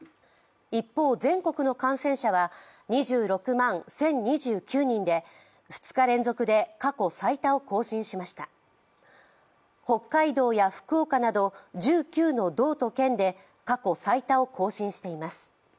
一方、全国の感染者は２６万１０２９人で２日連続で過去最多を更新しました北海道や福岡など１９の道と県で過去最多を更新しています。